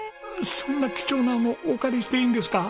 そんな貴重なのお借りしていいんですか？